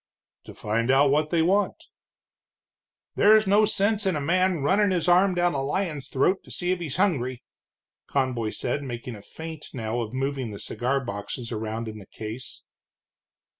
"To find out what they want." "There's no sense in a man runnin' his arm down a lion's throat to see if he's hungry," Conboy said, making a feint now of moving the cigar boxes around in the case.